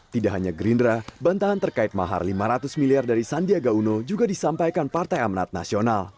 tidak hanya gerindra bantahan terkait mahar lima ratus miliar dari sandiaga uno juga disampaikan partai amanat nasional